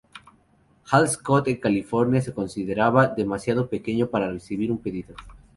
Hall-Scott en California se consideraba demasiado pequeño para recibir un pedido.